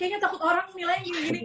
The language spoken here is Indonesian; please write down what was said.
kayaknya takut orang nilainya gini gini